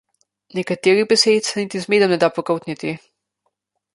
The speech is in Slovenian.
Nekaterih besed se niti z medom ne da pogoltniti.